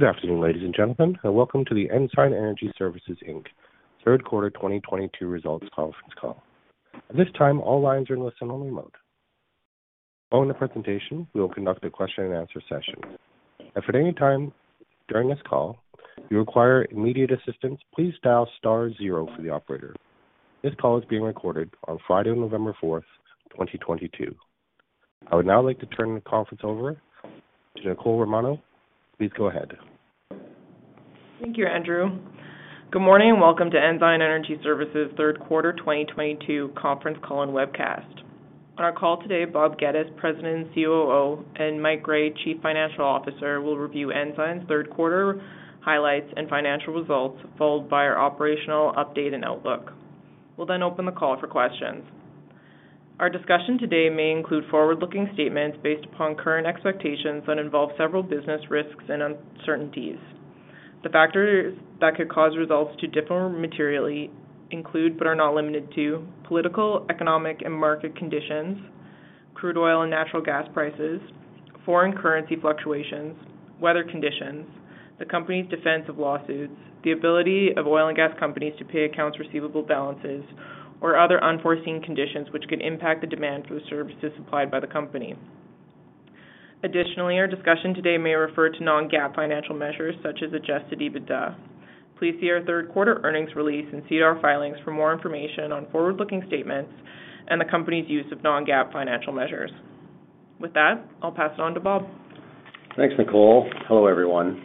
Good afternoon, ladies and gentlemen, and welcome to the Ensign Energy Services Inc third quarter 2022 results conference call. At this time, all lines are in listen-only mode. Following the presentation, we will conduct a question-and-answer session. If at any time during this call you require immediate assistance, please dial star zero for the operator. This call is being recorded on Friday, November 4th, 2022. I would now like to turn the conference over to Nicole Romanow. Please go ahead. Thank you, Andrew. Good morning and welcome to Ensign Energy Services third quarter 2022 conference call and webcast. On our call today, Bob Geddes, President and COO, and Mike Gray, Chief Financial Officer, will review Ensign's third quarter highlights and financial results, followed by our operational update and outlook. We'll then open the call for questions. Our discussion today may include forward-looking statements based upon current expectations that involve several business risks and uncertainties. The factors that could cause results to differ materially include but are not limited to political, economic, and market conditions, crude oil and natural gas prices, foreign currency fluctuations, weather conditions, the company's defense of lawsuits, the ability of oil and gas companies to pay accounts receivable balances, or other unforeseen conditions which could impact the demand for the services supplied by the company. Additionally, our discussion today may refer to non-GAAP financial measures such as adjusted EBITDA. Please see our third quarter earnings release and see our filings for more information on forward-looking statements and the company's use of non-GAAP financial measures. With that, I'll pass it on to Bob. Thanks, Nicole. Hello, everyone.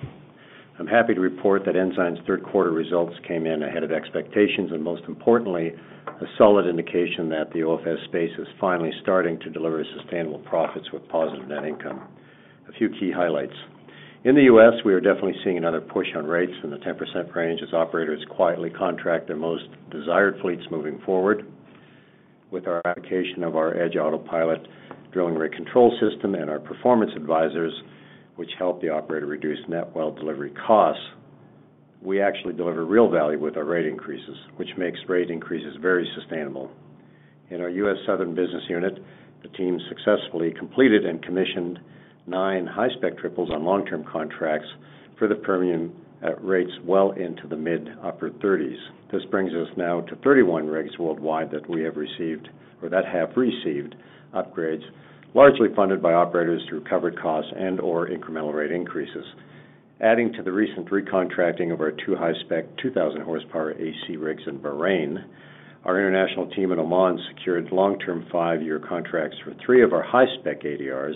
I'm happy to report that Ensign's third quarter results came in ahead of expectations, and most importantly, a solid indication that the OFS space is finally starting to deliver sustainable profits with positive net income. A few key highlights. In the U.S., we are definitely seeing another push on rates in the 10% range as operators quietly contract their most desired fleets moving forward. With our application of our EDGE AUTOPILOT drilling rig control system and our performance advisors, which help the operator reduce net well delivery costs, we actually deliver real value with our rate increases, which makes rate increases very sustainable. In our U.S. Southern business unit, the team successfully completed and commissioned nine high-spec triples on long-term contracts for the Permian at rates well into the mid upper 30s. This brings us now to 31 rigs worldwide that we have received or that have received upgrades, largely funded by operators through covered costs and or incremental rate increases. Adding to the recent re-contracting of our two high-spec 2000 hp AC rigs in Bahrain, our international team in Oman secured long-term five-year contracts for three of our high-spec ADRs.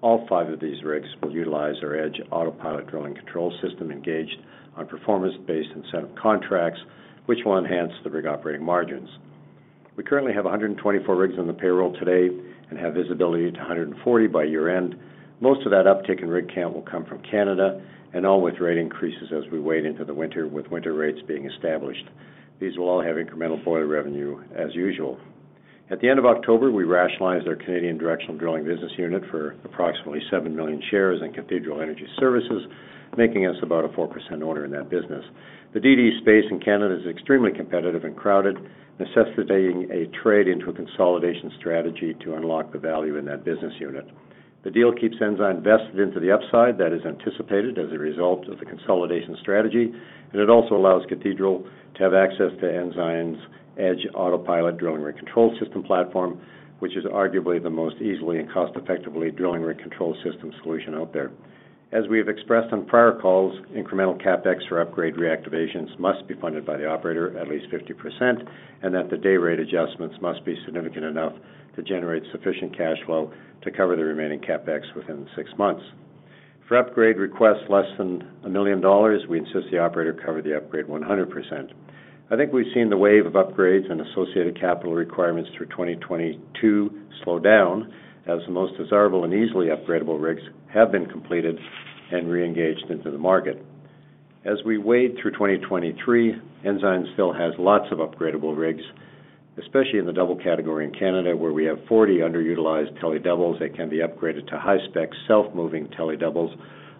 All five of these rigs will utilize our EDGE AUTOPILOT drilling control system engaged on performance-based incentive contracts, which will enhance the rig operating margins. We currently have 124 rigs on the payroll today and have visibility to 140 by year-end. Most of that uptick in rig count will come from Canada and all with rate increases as we head into the winter, with winter rates being established. These will all have incremental boiler revenue as usual. At the end of October, we rationalized our Canadian directional drilling business unit for approximately 7 million shares in Cathedral Energy Services, making us about a 4% owner in that business. The DD space in Canada is extremely competitive and crowded, necessitating a trade into a consolidation strategy to unlock the value in that business unit. The deal keeps Ensign vested into the upside that is anticipated as a result of the consolidation strategy, and it also allows Cathedral to have access to Ensign's EDGE AUTOPILOT drilling rig control system platform, which is arguably the most easily and cost-effectively drilling rig control system solution out there. As we have expressed on prior calls, incremental CapEx for upgrade reactivations must be funded by the operator at least 50%, and that the day rate adjustments must be significant enough to generate sufficient cash flow to cover the remaining CapEx within six months. For upgrade requests less than 1 million dollars, we insist the operator cover the upgrade 100%. I think we've seen the wave of upgrades and associated capital requirements through 2022 slow down as the most desirable and easily upgradable rigs have been completed and reengaged into the market. As we wade through 2023, Ensign still has lots of upgradable rigs, especially in the double category in Canada, where we have 40 underutilized tele-doubles that can be upgraded to high-spec self-moving tele-doubles,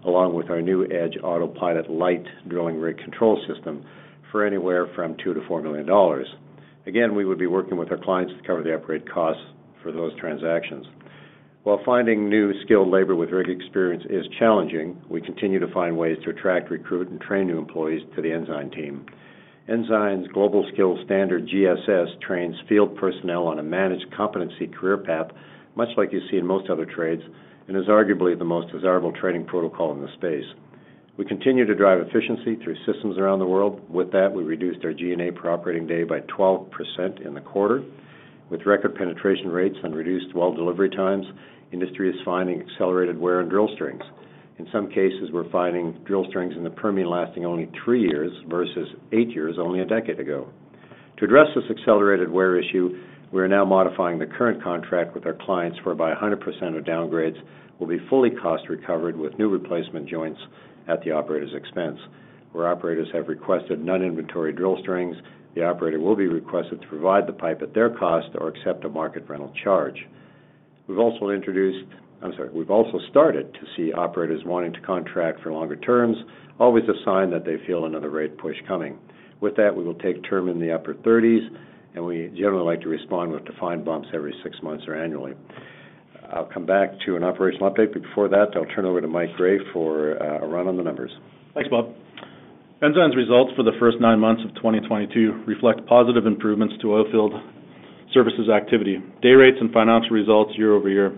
along with our new EDGE AUTOPILOT Lite drilling rig control system for anywhere from 2 million-4 million dollars. Again, we would be working with our clients to cover the upgrade costs for those transactions. While finding new skilled labor with rig experience is challenging, we continue to find ways to attract, recruit, and train new employees to the Ensign team. Ensign's Global Skills Standard, GSS, trains field personnel on a managed competency career path, much like you see in most other trades, and is arguably the most desirable training protocol in the space. We continue to drive efficiency through systems around the world. With that, we reduced our G&A per operating day by 12% in the quarter. With record penetration rates and reduced well delivery times, industry is finding accelerated wear on drill strings. In some cases, we're finding drill strings in the Permian lasting only three years versus eight years only a decade ago. To address this accelerated wear issue, we are now modifying the current contract with our clients, whereby 100% of downgrades will be fully cost-recovered with new replacement joints at the operator's expense. Where operators have requested non-inventory drill strings, the operator will be requested to provide the pipe at their cost or accept a market rental charge. We've also started to see operators wanting to contract for longer terms, always a sign that they feel another rate push coming. With that, we will take term in the upper 30s, and we generally like to respond with defined bumps every six months or annually. I'll come back to an operational update, but before that, I'll turn it over to Mike Gray for a run on the numbers. Thanks, Bob. Ensign's results for the first nine months of 2022 reflect positive improvements to oilfield services activity, day rates, and financial results year-over-year.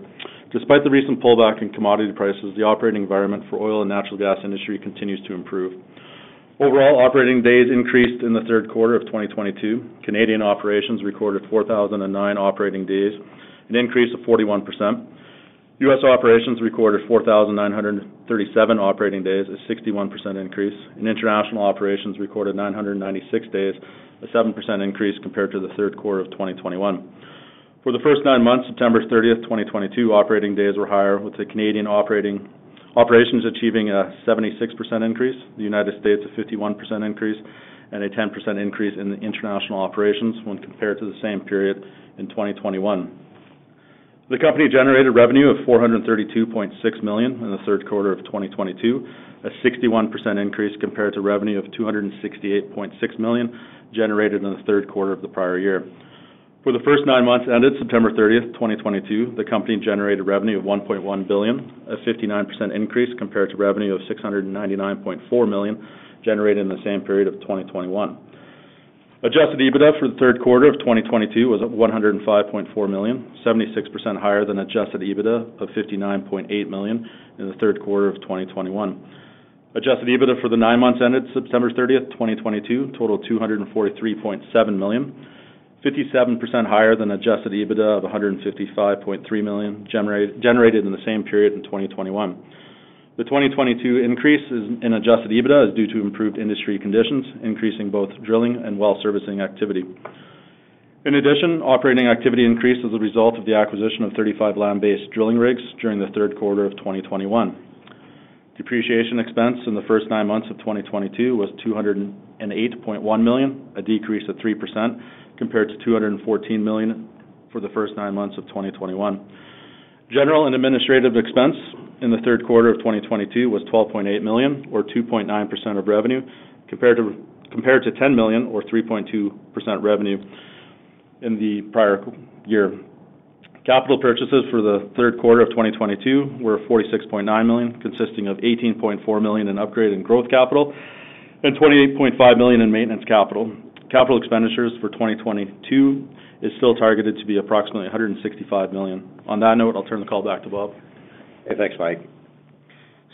Despite the recent pullback in commodity prices, the operating environment for oil and natural gas industry continues to improve. Overall operating days increased in the third quarter of 2022. Canadian operations recorded 4,009 operating days, an increase of 41%. U.S. operations recorded 4,937 operating days, a 61% increase, and International operations recorded 996 days, a 7% increase compared to the third quarter of 2021. For the first nine months, September 30th, 2022, operating days were higher, with the Canadian operations achieving a 76% increase, the United States a 51% increase, and a 10% increase in the International operations when compared to the same period in 2021. The company generated revenue of 432.6 million in the third quarter of 2022, a 61% increase compared to revenue of 268.6 million generated in the third quarter of the prior year. For the first nine months ended September 30th, 2022, the company generated revenue of 1.1 billion, a 59% increase compared to revenue of 699.4 million generated in the same period of 2021. Adjusted EBITDA for the third quarter of 2022 was 105.4 million, 76% higher than adjusted EBITDA of 59.8 million in the third quarter of 2021. Adjusted EBITDA for the nine months ended September 30th, 2022 totaled 243.7 million, 57% higher than adjusted EBITDA of 155.3 million generated in the same period in 2021. The 2022 increase in adjusted EBITDA is due to improved industry conditions, increasing both drilling and well servicing activity. In addition, operating activity increased as a result of the acquisition of 35 land-based drilling rigs during the third quarter of 2021. Depreciation expense in the first nine months of 2022 was 208.1 million, a decrease of 3% compared to 214 million for the first nine months of 2021. General and administrative expense in the third quarter of 2022 was 12.8 million or 2.9% of revenue compared to 10 million or 3.2% revenue in the prior year. Capital purchases for the third quarter of 2022 were 46.9 million, consisting of 18.4 million in upgrade and growth capital and 28.5 million in maintenance capital. Capital expenditures for 2022 is still targeted to be approximately 165 million. On that note, I'll turn the call back to Bob. Hey. Thanks, Mike.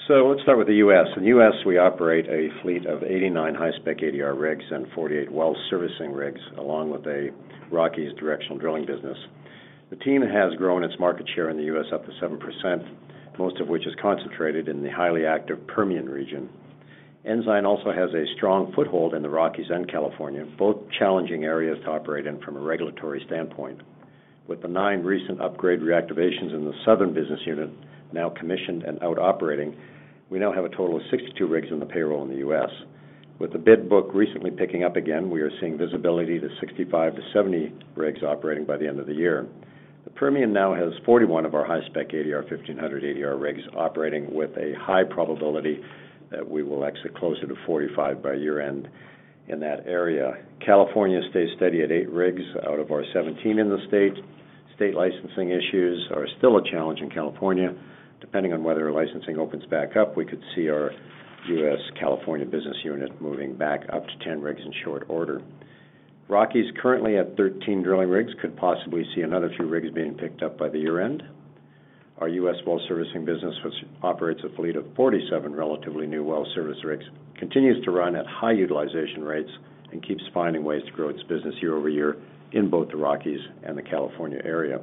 So let's start with the U.S. In the U.S., we operate a fleet of 89 high-spec ADR rigs and 48 well servicing rigs, along with a Rockies directional drilling business. The team has grown its market share in the U.S. up to 7%, most of which is concentrated in the highly active Permian region. Ensign also has a strong foothold in the Rockies and California, both challenging areas to operate in from a regulatory standpoint. With the nine recent upgrade reactivations in the Southern business unit now commissioned and out operating, we now have a total of 62 rigs in the payroll in the U.S. With the bid book recently picking up again, we are seeing visibility to 65-70 rigs operating by the end of the year. The Permian now has 41 of our high-spec ADR, 1,500 ADR rigs operating with a high probability that we will exit closer to 45 by year-end in that area. California stays steady at eight rigs out of our 17 in the state. State licensing issues are still a challenge in California. Depending on whether licensing opens back up, we could see our U.S. California business unit moving back up to 10 rigs in short order. Rockies, currently at 13 drilling rigs, could possibly see another few rigs being picked up by the year-end. Our U.S. well servicing business, which operates a fleet of 47 relatively new well service rigs, continues to run at high utilization rates and keeps finding ways to grow its business year-over-year in both the Rockies and the California area.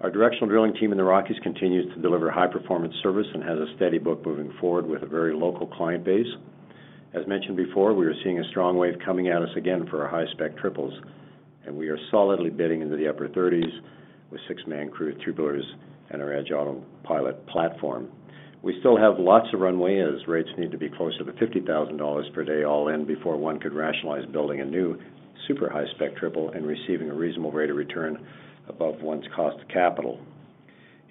Our directional drilling team in the Rockies continues to deliver high-performance service and has a steady book moving forward with a very local client base. As mentioned before, we are seeing a strong wave coming at us again for our high-spec triples, and we are solidly bidding into the upper 30s with six-man crew triplers and our EDGE AUTOPILOT platform. We still have lots of runway as rates need to be closer to 50,000 dollars per day all in before one could rationalize building a new super high-spec triple and receiving a reasonable rate of return above one's cost of capital.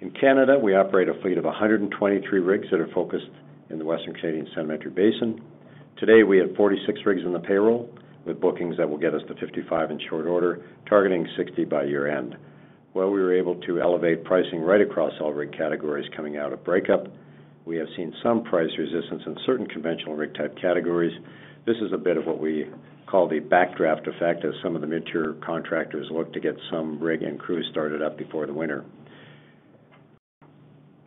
In Canada, we operate a fleet of 123 rigs that are focused in the Western Canadian Sedimentary Basin. Today, we have 46 rigs in the payroll, with bookings that will get us to 55 in short order, targeting 60 by year-end. While we were able to elevate pricing right across all rig categories coming out of breakup, we have seen some price resistance in certain conventional rig type categories. This is a bit of what we call the backdraft effect as some of the mid-tier contractors look to get some rig and crew started up before the winter.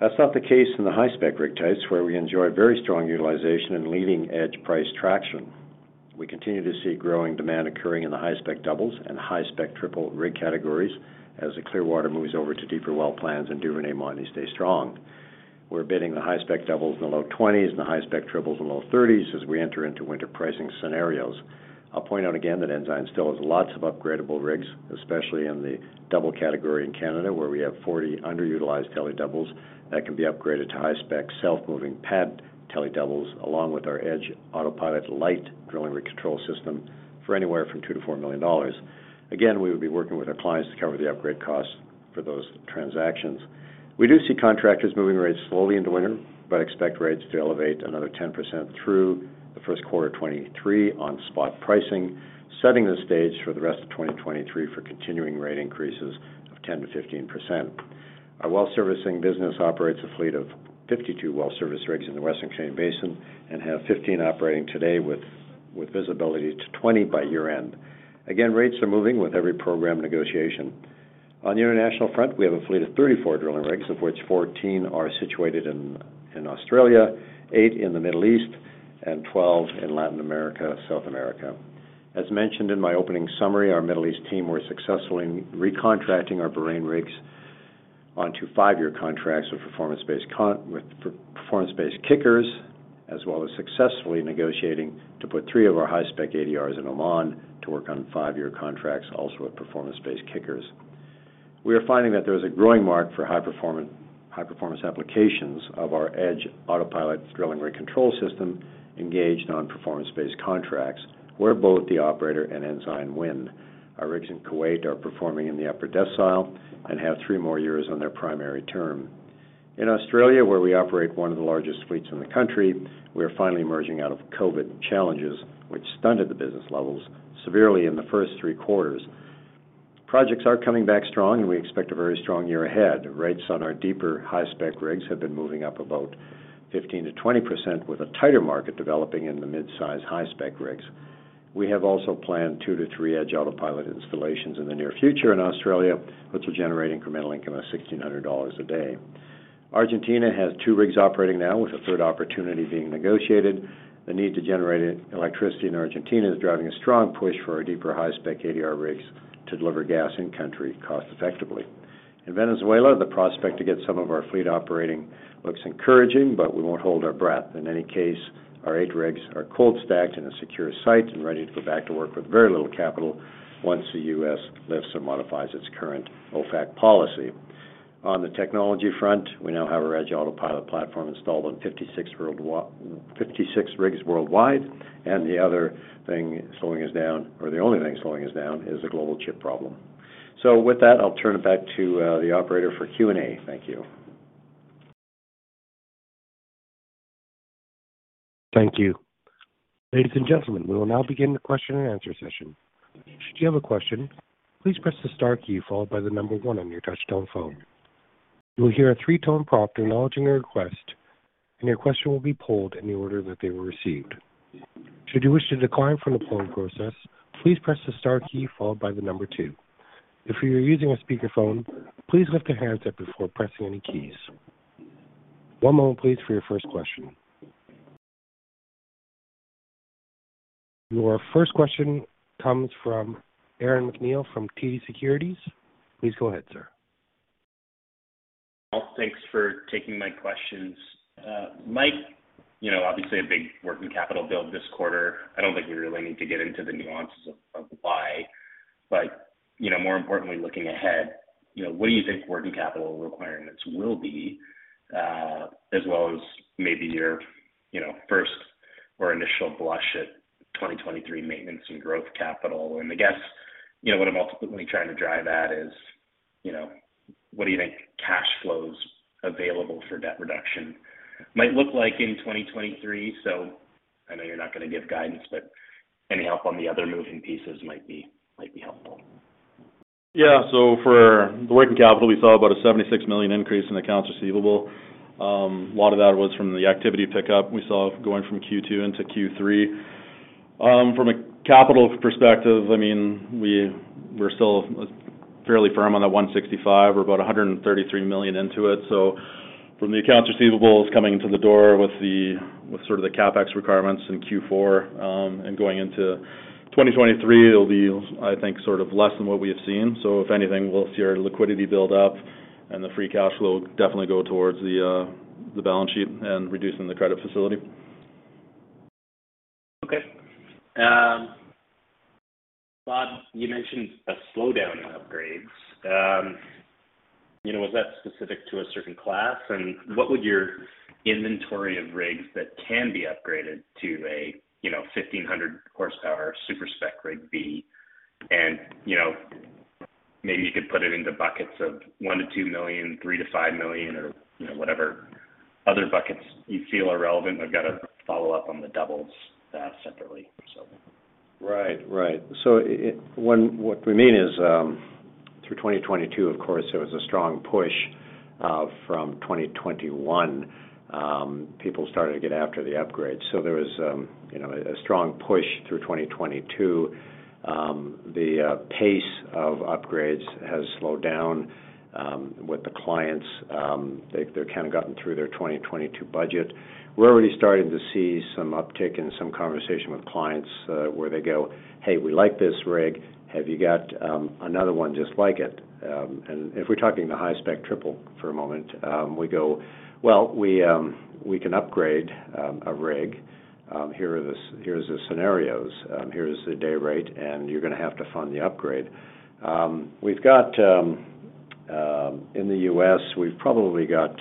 That's not the case in the high-spec rig types, where we enjoy very strong utilization and leading-edge price traction. We continue to see growing demand occurring in the high-spec doubles and high-spec triple rig categories as the Clearwater moves over to deeper well plans and Duvernay volume stays strong. We're bidding the high-spec doubles in the low 20s and the high-spec triples in the low 30s as we enter into winter pricing scenarios. I'll point out again that Ensign still has lots of upgradable rigs, especially in the double category in Canada, where we have 40 underutilized tele-doubles that can be upgraded to high-spec, self-moving pad tele-doubles, along with our EDGE AUTOPILOT Lite drilling rig control system for anywhere from 2 million-4 million dollars. Again, we would be working with our clients to cover the upgrade costs. For those transactions. We do see contractors moving rates slowly into winter, but expect rates to elevate another 10% through the first quarter of 2023 on spot pricing, setting the stage for the rest of 2023 for continuing rate increases of 10%-15%. Our well servicing business operates a fleet of 52 well service rigs in the Western Canadian Sedimentary Basin and have 15 operating today with visibility to 20 by year-end. Again, rates are moving with every program negotiation. On the international front, we have a fleet of 34 drilling rigs, of which 14 are situated in Australia, eight in the Middle East, and 12 in Latin America, South America. As mentioned in my opening summary, our Middle East team were successfully re-contracting our Bahrain rigs onto five-year contracts with performance-based kickers, as well as successfully negotiating to put three of our high-spec ADRs in Oman to work on five-year contracts also with performance-based kickers. We are finding that there is a growing market for high performance applications of our EDGE AUTOPILOT drilling rig control system engaged on performance-based contracts, where both the operator and Ensign win. Our rigs in Kuwait are performing in the upper decile and have three more years on their primary term. In Australia, where we operate one of the largest fleets in the country, we are finally emerging out of COVID challenges, which stunted the business levels severely in the first three quarters. Projects are coming back strong, and we expect a very strong year ahead. Rates on our deeper high-spec rigs have been moving up about 15%-20%, with a tighter market developing in the mid-size high-spec rigs. We have also planned two to three EDGE AUTOPILOT installations in the near future in Australia, which will generate incremental income of 1,600 dollars a day. Argentina has two rigs operating now, with a third opportunity being negotiated. The need to generate electricity in Argentina is driving a strong push for our deeper high-spec ADR rigs to deliver gas in-country cost-effectively. In Venezuela, the prospect to get some of our fleet operating looks encouraging, but we won't hold our breath. In any case, our eight rigs are cold stacked in a secure site and ready to go back to work with very little capital once the U.S. lifts or modifies its current OFAC policy. On the technology front, we now have our EDGE AUTOPILOT platform installed on 56 rigs worldwide, and the other thing slowing us down or the only thing slowing us down is the global chip problem. With that, I'll turn it back to the operator for Q&A. Thank you. Thank you. Ladies and gentlemen, we will now begin the question-and-answer session. Should you have a question, please press the star key followed by the number one on your touchtone phone. You will hear a three-tone prompt acknowledging your request, and your question will be pulled in the order that they were received. Should you wish to decline from the pull process, please press the star key followed by the number two. If you are using a speakerphone, please lift the handset before pressing any keys. One moment please for your first question. Your first question comes from Aaron MacNeil from TD Securities. Please go ahead, sir. Well, thanks for taking my questions. Mike, you know, obviously a big working capital build this quarter. I don't think we really need to get into the nuances of the why. But you know, more importantly, looking ahead, you know, what do you think working capital requirements will be, as well as maybe your, you know, first or initial blush at 2023 maintenance and growth capital? And I guess, you know, what I'm ultimately trying to drive at is, you know, what do you think cash flows available for debt reduction might look like in 2023? So I know you're not gonna give guidance, but any help on the other moving pieces might be helpful. Yeah. So for the working capital, we saw about a 76 million increase in accounts receivable. A lot of that was from the activity pickup we saw going from Q2 into Q3. From a capital perspective, I mean, we're still fairly firm on the 165 million. We're about a 133 million into it. So from the accounts receivables coming into the door with the, with sort of the CapEx requirements in Q4, and going into 2023, it'll be, I think, sort of less than what we have seen. So if anything, we'll see our liquidity build up and the free cash flow definitely go towards the balance sheet and reducing the credit facility. Okay. Bob, you mentioned a slowdown in upgrades. You know, was that specific to a certain class? What would your inventory of rigs that can be upgraded to a, you know, 1,500 hp super-spec rig be? You know, maybe you could put it into buckets of 1 million-2 million, 3 million-5 million or, you know, whatever other buckets you feel are relevant. I've got a follow-up on the doubles, separately, so. Right, right. What we mean is, through 2022, of course, there was a strong push from 2021. People started to get after the upgrade. So there was, you know, a strong push through 2022. The pace of upgrades has slowed down with the clients. They're kinda gotten through their 2022 budget. We're already starting to see some uptick and some conversation with clients, where they go, "Hey, we like this rig. Have you got another one just like it?" If we're talking the high-spec triple for a moment, we go, "Well, we can upgrade a rig. Here's the scenarios, here's the day rate, and you're gonna have to fund the upgrade." We've got in the U.S., we've probably got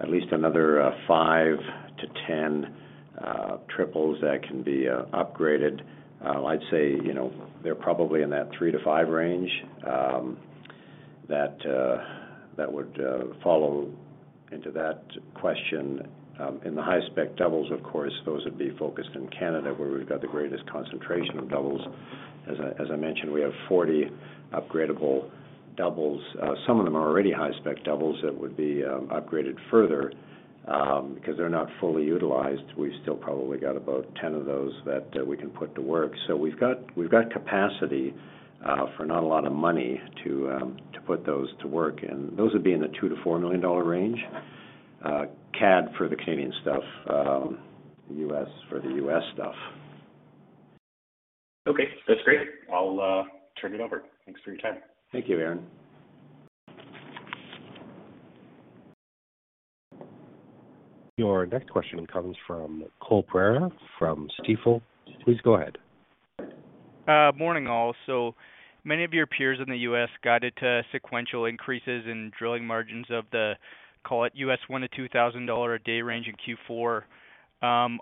at least another five to 10 triples that can be upgraded. I'd say, you know, they're probably in that three to five range that would fit into that question. In the high-spec doubles, of course, those would be focused in Canada, where we've got the greatest concentration of doubles. As I mentioned, we have 40 upgradable doubles. Some of them are already high-spec doubles that would be upgraded further because they're not fully utilized. We've still probably got about 10 of those that we can put to work. We've got capacity for not a lot of money to put those to work. Those would be in the 2 million-4 million dollar range for the Canadian stuff, U.S., for the U.S. stuff. Okay, that's great. I'll turn it over. Thanks for your time. Thank you, Aaron. Your next question comes from Cole Pereira from Stifel. Please go ahead. Morning, all. So many of your peers in the U.S. guided to sequential increases in drilling margins of, call it, $1,000-$2,000 a day range in Q4.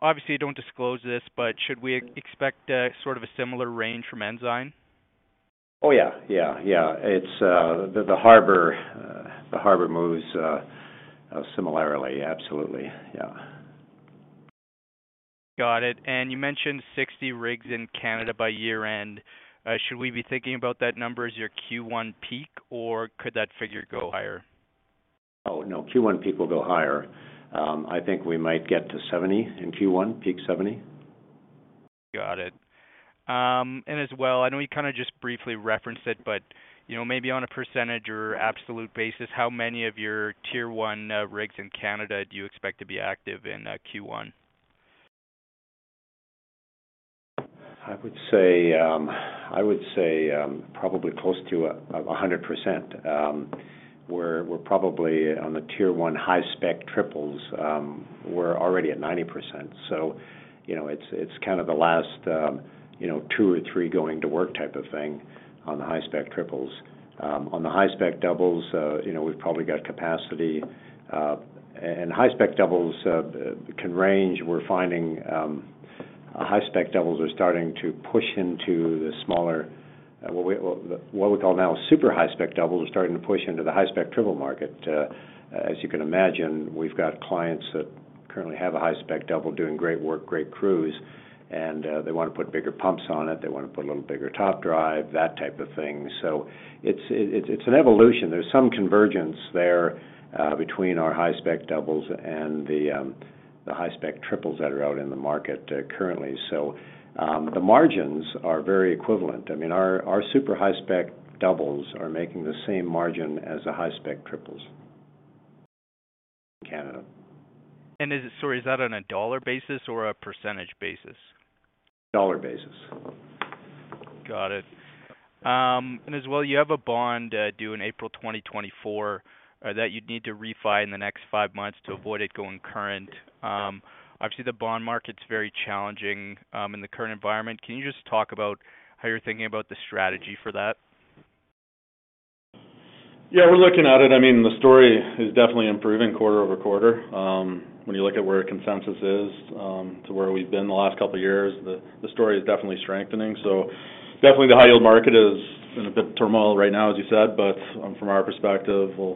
Obviously, you don't disclose this, but should we expect a sort of a similar range from Ensign? Oh, yeah. Yeah. Yeah. It's the harbor moves similarly. Absolutely. Yeah. Got it. You mentioned 60 rigs in Canada by year-end. Should we be thinking about that number as your Q1 peak, or could that figure go higher? Oh, no. Q1 peak will go higher. I think we might get to 70 in Q1, peak 70. Got it. As well, I know you kinda just briefly referenced it, but you know, maybe on a percentage or absolute basis, how many of your Tier 1 rigs in Canada do you expect to be active in Q1? I would say probably close to 100%. We're probably on the Tier 1 high-spec triples. We're already at 90%, so you know, it's kind of the last you know, two or three going to work type of thing on the high-spec triples. On the high-spec doubles, you know, we've probably got capacity, and high-spec doubles can range. We're finding high-spec doubles are starting to push into the smaller what we call now super high-spec doubles are starting to push into the high-spec triple market. As you can imagine, we've got clients that currently have a high-spec double doing great work, great crews, and they wanna put bigger pumps on it. They wanna put a little bigger top drive, that type of thing. So it's an evolution. There's some convergence there between our high-spec doubles and the high-spec triples that are out in the market currently. The margins are very equivalent. I mean, our super high-spec doubles are making the same margin as the high-spec triples in Canada. And sorry, is that on a dollar basis or a percentage basis? Dollar basis. Got it. As well, you have a bond due in April 2024 that you'd need to refi in the next five months to avoid it going current. Obviously, the bond market's very challenging in the current environment. Can you just talk about how you're thinking about the strategy for that? Yeah. We're looking at it. I mean, the story is definitely improving quarter-over-quarter. When you look at where consensus is to where we've been the last couple of years, the story is definitely strengthening. So the high yield market is in a bit of turmoil right now, as you said. But from our perspective, we're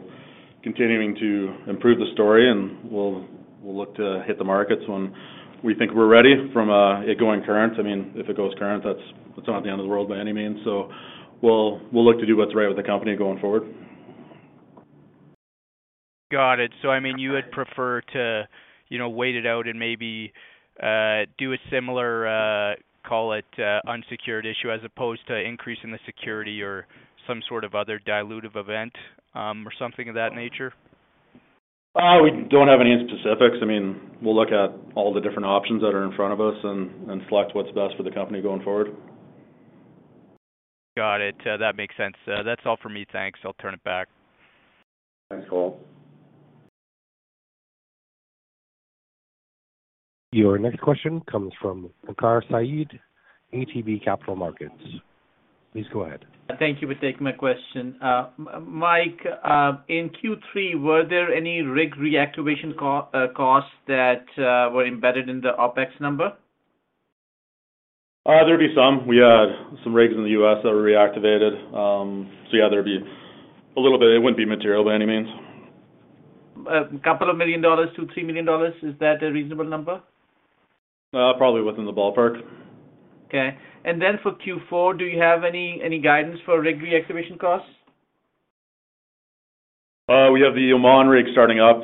continuing to improve the story, and we'll look to hit the markets when we think we're ready from it going current. I mean, if it goes current, that's, it's not the end of the world by any means. So we'll look to do what's right with the company going forward. Got it. So I mean, you would prefer to, you know, wait it out and maybe do a similar, call it, unsecured issue, as opposed to increasing the security or some sort of other dilutive event, or something of that nature? We don't have any specifics. I mean, we'll look at all the different options that are in front of us and select what's best for the company going forward. Got it. That makes sense. That's all for me. Thanks. I'll turn it back. Thanks, Cole. Your next question comes from Waqar Syed, ATB Capital Markets. Please go ahead. Thank you for taking my question. Mike, in Q3, were there any rig reactivation costs that were embedded in the OpEx number? There'd be some. We had some rigs in the U.S. that were reactivated. So yeah, there'd be a little bit. It wouldn't be material by any means. 2 million-3 million dollars, is that a reasonable number? Probably within the ballpark. Okay. And then for Q4, do you have any guidance for rig reactivation costs? We have the Oman rig starting up,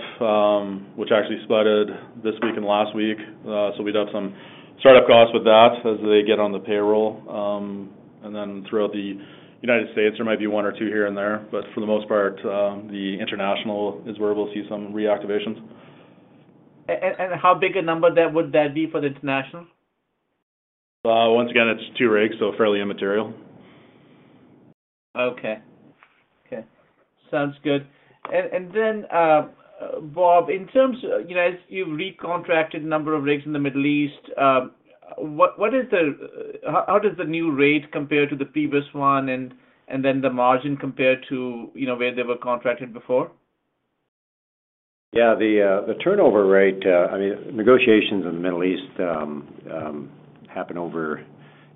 which actually spudded this week and last week. So we'd have some start-up costs with that as they get on the payroll. And then throughout the United States, there might be one or two here and there. But for the most part, the international is where we'll see some reactivations. And how big a number that would be for the international? Once again, it's two rigs, so fairly immaterial. Okay. Sounds good. Bob, in terms, you know, as you've re-contracted number of rigs in the Middle East, how does the new rate compare to the previous one and then the margin compare to, you know, where they were contracted before? Yeah. The turnover rate, I mean, negotiations in the Middle East happen over,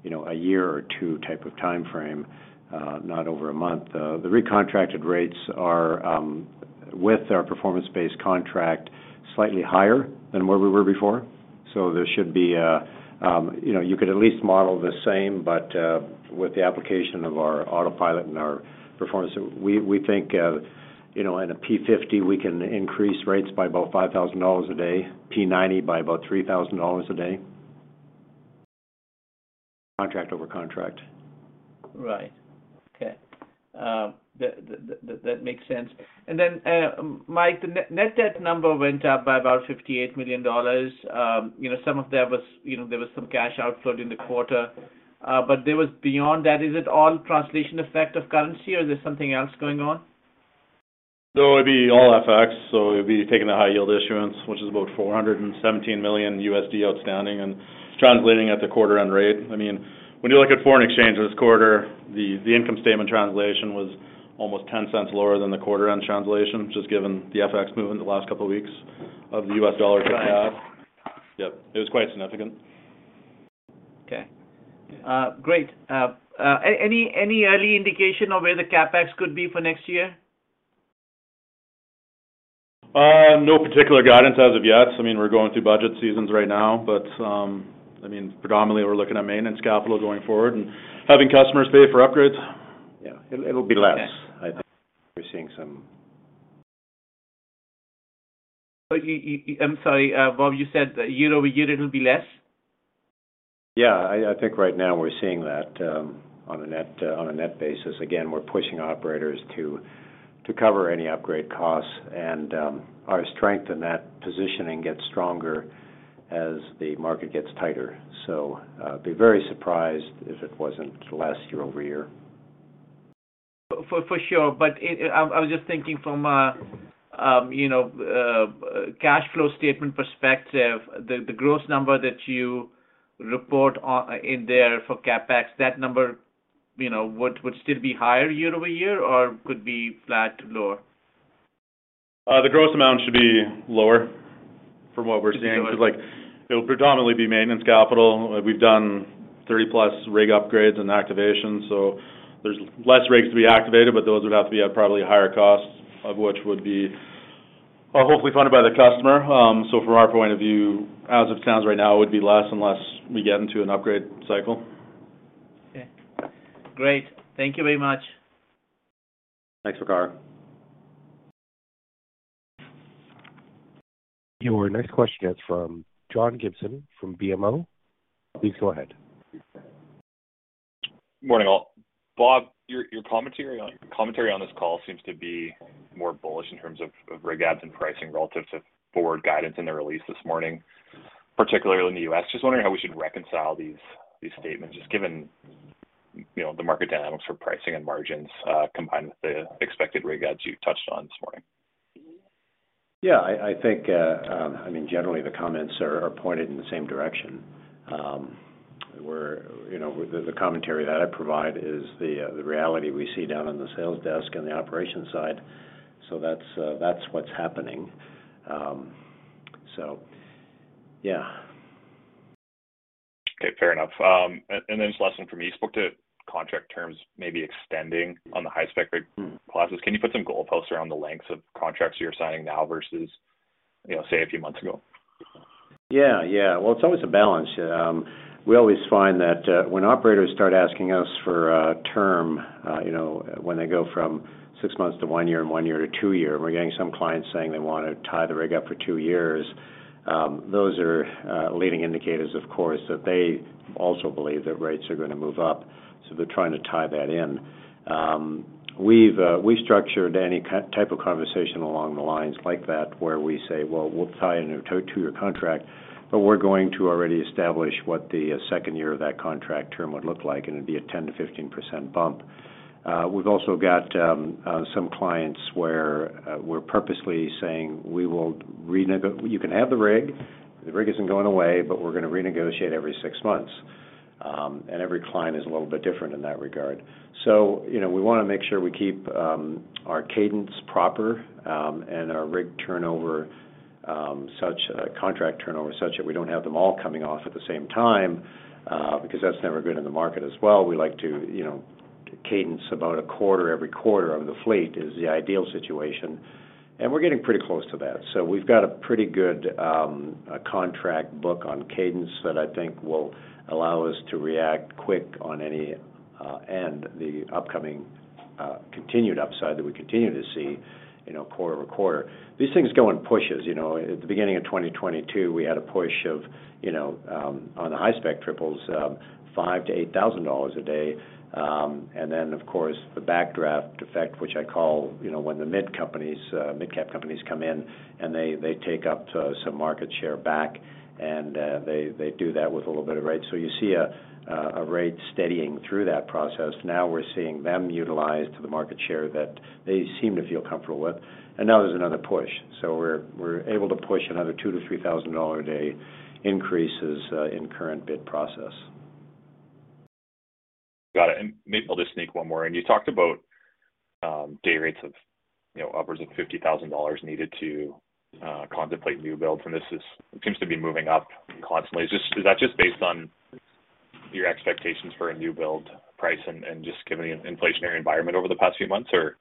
you know, a year or two type of timeframe, not over a month. The re-contracted rates are with our performance-based contract, slightly higher than where we were before. So there should be, you know, you could at least model the same, but with the application of our autopilot and our performance, we think, you know, in a P50, we can increase rates by about 5,000 dollars a day, P90 by about 3,000 dollars a day. Contract over contract. Right. Okay. That makes sense. Mike, the net debt number went up by about 58 million dollars. You know, some of that was, you know, there was some cash outflow during the quarter, but beyond that, is it all translation effect of currency, or is there something else going on? It'd be all FX, taking the high-yield issuance, which is about $417 million outstanding and translating at the quarter-end rate. I mean, when you look at foreign exchange this quarter, the income statement translation was almost 0.10 lower than the quarter-end translation, just given the FX movement the last couple weeks of the U.S. dollar to CAD. Right. Yep. It was quite significant. Okay. Great. Any early indication of where the CapEx could be for next year? No particular guidance as of yet. So I mean, we're going through budget seasons right now, but, I mean, predominantly, we're looking at maintenance capital going forward and having customers pay for upgrades. Yeah. It'll be less, I think. We're seeing some. I'm sorry. Bob, you said year-over-year it'll be less? Yeah. I think right now we're seeing that on a net basis. Again, we're pushing operators to cover any upgrade costs, and our strength in that positioning gets stronger as the market gets tighter. So be very surprised if it wasn't less year-over-year. For sure. But I was just thinking from a you know cash flow statement perspective, the gross number that you report in there for CapEx, that number you know would still be higher year-over-year or could be flat to lower? The gross amount should be lower from what we're seeing 'cause, like, it'll predominantly be maintenance capital. We've done 30+ rig upgrades and activations, so there's less rigs to be activated, but those would have to be at probably higher costs of which would be, hopefully funded by the customer. So from our point of view, as it stands right now, it would be less unless we get into an upgrade cycle. Okay. Great. Thank you very much. Thanks, Waqar. Your next question is from John Gibson from BMO. Please go ahead. Morning, all. Bob, your commentary on this call seems to be more bullish in terms of rig adds and pricing relative to forward guidance in the release this morning, particularly in the U.S. Just wondering how we should reconcile these statements, just given, you know, the market dynamics for pricing and margins, combined with the expected rig adds you touched on this morning. Yeah. I think, I mean, generally, the comments are pointed in the same direction. We're, you know, the commentary that I provide is the reality we see down on the sales desk and the operations side. That's what's happening. So yeah. Okay. Fair enough. Just last one from me. You spoke to contract terms maybe extending on the high-spec rig classes. Mm-hmm. Can you put some goalposts around the lengths of contracts you're signing now versus, you know, say, a few months ago? Yeah, yeah. Well, it's always a balance. We always find that when operators start asking us for a term, you know, when they go from six months to one year and one year to two year, and we're getting some clients saying they wanna tie the rig up for two years, those are leading indicators, of course, that they also believe that rates are gonna move up, so they're trying to tie that in. We've structured any kind of conversation along the lines like that where we say, "Well, we'll tie a new two-year contract, but we're going to already establish what the second year of that contract term would look like, and it'd be a 10%-15% bump." We've also got some clients where we're purposely saying, "You can have the rig, the rig isn't going away, but we're gonna renegotiate every six months." And every client is a little bit different in that regard. You know, we wanna make sure we keep our cadence proper and our rig turnover, contract turnover such that we don't have them all coming off at the same time, because that's never good in the market as well. We like to, you know, cadence about a quarter every quarter of the fleet is the ideal situation, and we're getting pretty close to that. We've got a pretty good contract book on cadence that I think will allow us to react quick on any and the upcoming continued upside that we continue to see, you know, quarter-over-quarter. These things go in pushes. You know, at the beginning of 2022, we had a push of, you know, on the high-spec triples, 5,000-8,000 dollars a day. And then of course, the backdraft effect, which I call, you know, when the mid-cap companies come in and they take up some market share back and they do that with a little bit of rate. So you see a rate steadying through that process. Now we're seeing them utilize the market share that they seem to feel comfortable with, and now there's another push. We're able to push another 2,000-3,000 dollar a day increases in current bid process. Got it. Maybe I'll just sneak one more in. You talked about day rates of, you know, upwards of 50,000 dollars needed to contemplate new builds. It seems to be moving up constantly. Is that just based on your expectations for a new build price and just given the inflationary environment over the past few months or?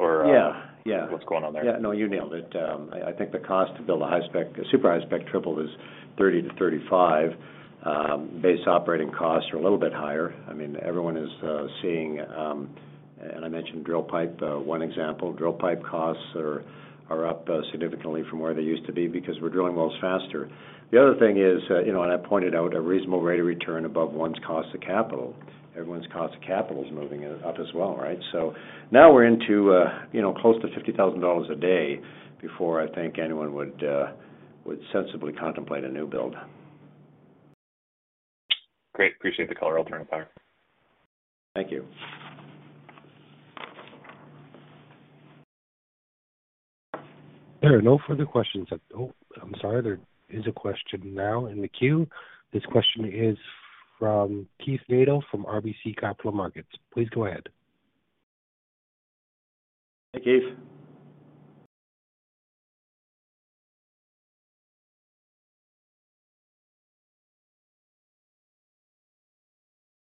Yeah. Yeah. What's going on there? Yeah. No, you nailed it. I think the cost to build a high-spec, a super high-spec triple is 30,000-35,000. Base operating costs are a little bit higher. I mean, everyone is seeing. I mentioned drill pipe. One example, drill pipe costs are up significantly from where they used to be because we're drilling wells faster. The other thing is, you know, and I pointed out a reasonable rate of return above one's cost of capital. Everyone's cost of capital is moving up as well, right? So now we're into, you know, close to 50,000 dollars a day before I think anyone would sensibly contemplate a new build. Great. Appreciate the color. I'll turn it back. Thank you. There are no further questions. Oh, I'm sorry, there is a question now in the queue. This question is from Keith Mackey from RBC Capital Markets. Please go ahead. Hey, Keith.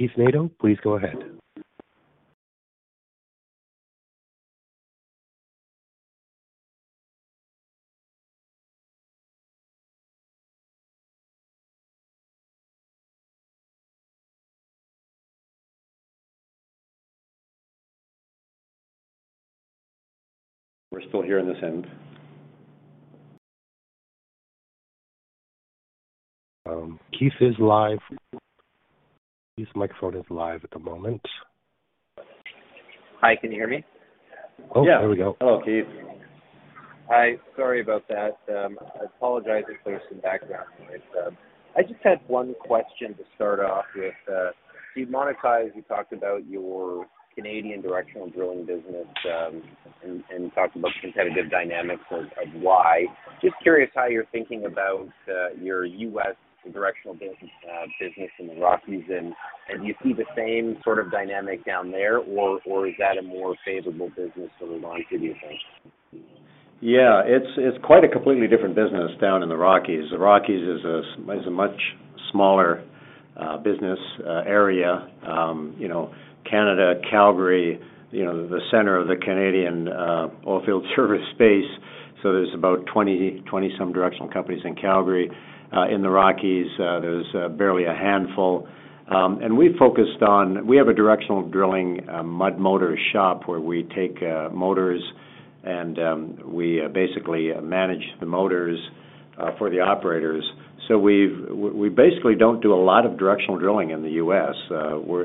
Keith Mackey, please go ahead. We're still here on this end. Keith is live. Keith's microphone is live at the moment. Hi, can you hear me? Yeah. Oh, there we go. Hello, Keith. Hi. Sorry about that. I apologize if there's some background noise. I just had one question to start off with. You've mentioned, you talked about your Canadian directional drilling business, and talked about the competitive dynamics of why. Just curious how you're thinking about your U.S. directional business in the Rockies, and do you see the same sort of dynamic down there, or is that a more favorable business to move on, do you think? Yeah. It's quite a completely different business down in the Rockies. The Rockies is a much smaller business area. You know, Canada, Calgary, you know, the center of the Canadian oil field service space, so there's about 20-some directional companies in Calgary. In the Rockies, there's barely a handful. And we focus on, we have a directional drilling mud motor shop where we take motors and we basically manage the motors for the operators. So we basically don't do a lot of directional drilling in the U.S.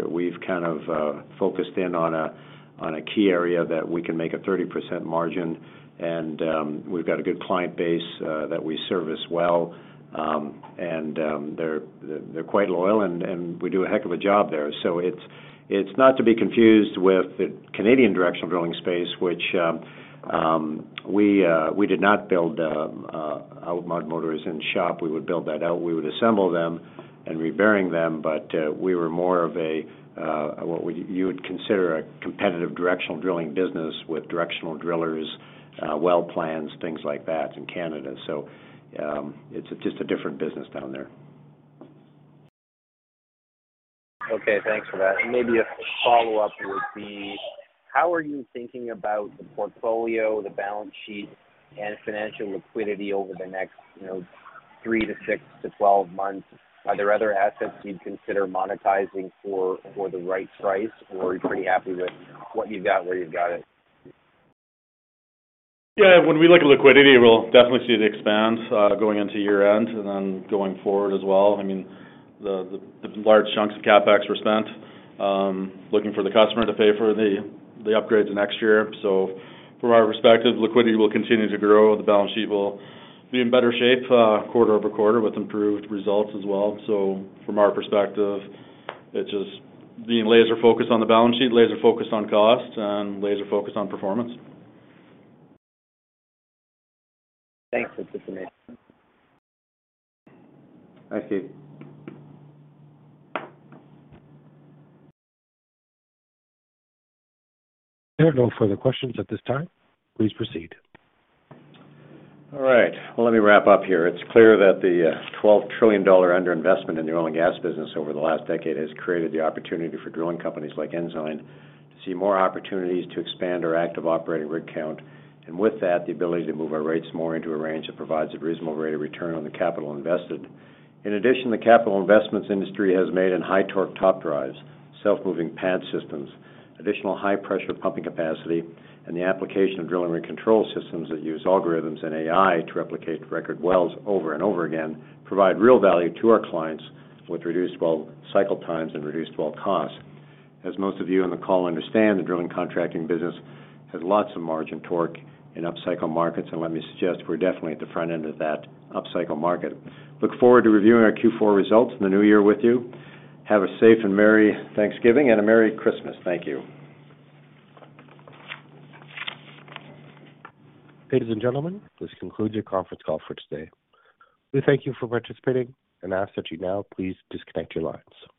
We've kind of focused in on a key area that we can make a 30% margin and we've got a good client base that we service well. And they're quite loyal and we do a heck of a job there. So it's not to be confused with the Canadian directional drilling space, which we did not build our mud motors in shop. We would build that out. We would assemble them and re-bearing them, but we were more of a what you would consider a competitive directional drilling business with directional drillers, well plans, things like that in Canada. So it's just a different business down there. Okay. Thanks for that. Maybe a follow-up would be, how are you thinking about the portfolio, the balance sheet, and financial liquidity over the next, you know, three to six to 12 months? Are there other assets you'd consider monetizing for the right price, or are you pretty happy with what you've got where you've got it? Yeah. When we look at liquidity, we'll definitely see it expand, going into year-end and then going forward as well. I mean, the large chunks of CapEx were spent, looking for the customer to pay for the upgrades next year. So from our perspective, liquidity will continue to grow. The balance sheet will be in better shape, quarter-over-quarter with improved results as well. So from our perspective, it's just being laser-focused on the balance sheet, laser-focused on cost, and laser-focused on performance. Thanks. That's it for me. Thanks, Keith. There are no further questions at this time. Please proceed. All right. Well, let me wrap up here. It's clear that the $12 trillion under-investment in the oil and gas business over the last decade has created the opportunity for drilling companies like Ensign to see more opportunities to expand our active operating rig count. With that, the ability to move our rates more into a range that provides a reasonable rate of return on the capital invested. In addition, the capital investments industry has made in high torque top drives, self-moving pad systems, additional high pressure pumping capacity, and the application of drilling rig control systems that use algorithms and AI to replicate record wells over and over again, provide real value to our clients with reduced well cycle times and reduced well costs. As most of you on the call understand, the drilling contracting business has lots of margin torque in upcycle markets. So let me suggest we're definitely at the front end of that upcycle market. Look forward to reviewing our Q4 results in the new year with you. Have a safe and merry Thanksgiving and a Merry Christmas. Thank you. Ladies and gentlemen, this concludes your conference call for today. We thank you for participating and ask that you now please disconnect your lines.